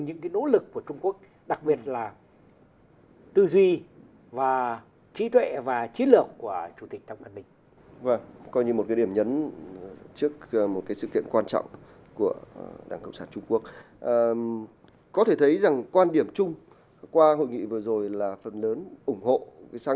thế thì trung quốc đã người ta đã nói đến ba giai đoạn của cái phát triển cái con đường này